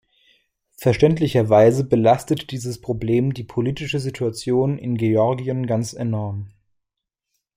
Verständlicherweise belastet dieses Problem die politische Situation in Georgien ganz enorm.